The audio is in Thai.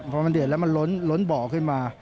พอมันเดือดแล้วมันล้นบ่อขึ้นมา